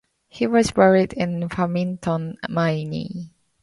He was buried in Farmington, Maine.